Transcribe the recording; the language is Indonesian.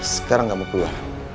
sekarang kamu keluar